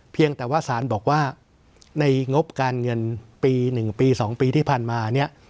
เพียงแต่ว่าสารบอกว่าในงบการเงินปี๑ปี๒ปีที่ผ่านมาเนี่ย